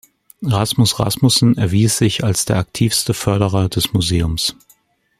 Rasmus Rasmussen erwies sich als der aktivste Förderer des Museums.